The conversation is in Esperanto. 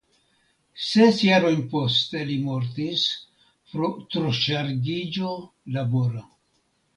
Ses jarojn poste li mortis pro troŝargiĝo labora.